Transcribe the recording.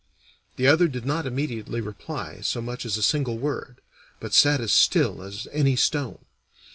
The other did not immediately reply so much as a single word, but sat as still as any stone.